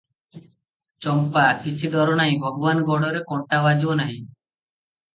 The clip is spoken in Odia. ଚମ୍ପା - କିଛି ଡର ନାହିଁ, ଭଗବାନ ଗୋଡ଼ରେ କଣ୍ଟା ବାଜିବ ନାହିଁ ।